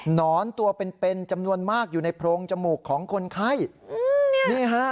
นอนตัวเป็นเป็นจำนวนมากอยู่ในโพรงจมูกของคนไข้นี่ฮะ